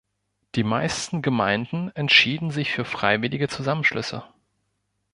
Die meisten Gemeinden entschieden sich für freiwillige Zusammenschlüsse.